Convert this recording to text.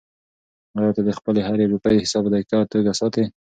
آیا ته د خپلې هرې روپۍ حساب په دقیقه توګه ساتې؟